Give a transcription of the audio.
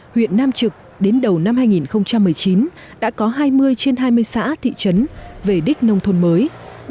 huyện nam trực đến đầu năm hai nghìn một mươi chín đã có hai mươi trên hai mươi xã thị trấn về đích nông thôn mới